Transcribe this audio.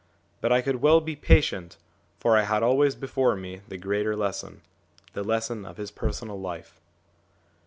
But I could well be patient, for I had always before me the greater lesson the lesson of his personal life.